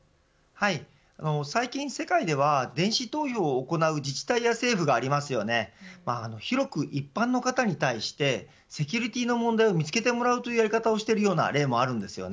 最近世界では電子投票を行う自治体や政府がありますが広く一般の方に対してセキュリティーの問題を見つけてもらうというやり方をしているような例もあるんです。